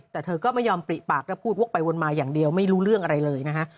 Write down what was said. แต่เธอก็ไม่ยอมปริปากแล้วพูดวกไปวนมาอย่างเดียวไม่รู้เรื่องอะไรเลยนะฮะ